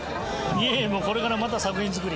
いえいえこれからまた作品作り。